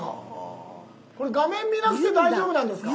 これ画面見なくて大丈夫なんですか？